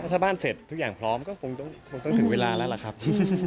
ถ้าบ้านเสร็จทุกอย่างพร้อมก็คงต้องถึงเวลาแล้วล่ะครับ